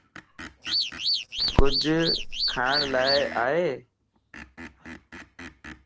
ڪچھه کاڻ لا ائي؟